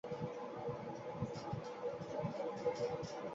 দর্পণ ভূমিতে আছাড়িয়া ফেলিয়া একবার কী ভাবিল।